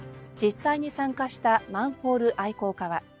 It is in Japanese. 実際に参加したマンホール愛好家は。